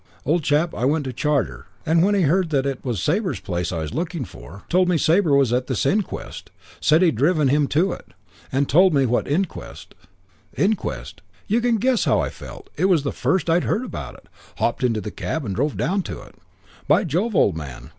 Old chap I went to charter, when he heard it was Sabre's place I was looking for, told me Sabre was at this inquest; said he'd driven him in to it. And told me what inquest. Inquest! You can guess how I felt. It was the first I'd heard about it. Hopped into the cab and drove down to it. "By Jove, old man....